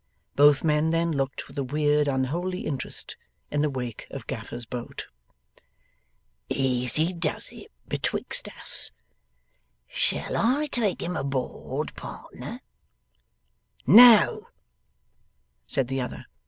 Both men then looked with a weird unholy interest in the wake of Gaffer's boat. 'Easy does it, betwixt us. Shall I take him aboard, pardner?' 'No,' said the other.